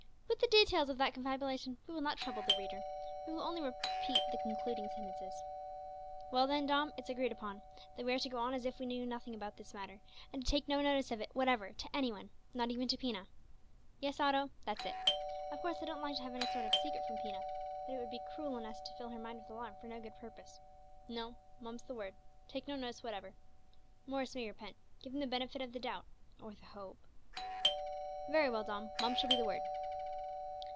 With the details of that confabulation we will not trouble the reader. We will only repeat the concluding sentences. "Well, then, Dom, it's agreed on, that we are to go on as if we knew nothing about this matter, and take no notice of it whatever to any one not even to Pina." "Yes, Otto, that's it. Of course I don't like to have any sort of secret from Pina, but it would be cruel in us to fill her mind with alarm for no good purpose. No mum's the word. Take no notice whatever. Morris may repent. Give him the benefit of the doubt, or the hope." "Very well, Dom, mum shall be the word."